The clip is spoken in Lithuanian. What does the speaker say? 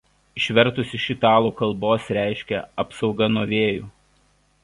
Išvertus iš italų kalbos reiškia „apsauga nuo vėjų“.